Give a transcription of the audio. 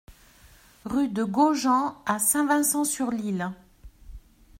Rue de Gogeant à Saint-Vincent-sur-l'Isle